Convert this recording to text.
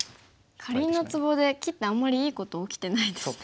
かりんのツボで切ってあんまりいいこと起きてないですね。